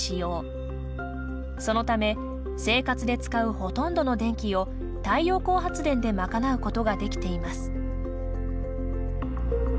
そのため生活で使うほとんどの電気を太陽光発電で賄うことができています。